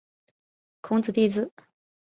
孔子弟子。